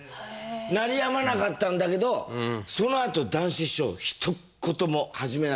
鳴りやまなかったんだけどそのあと談志師匠ひと言も始めないの落語を。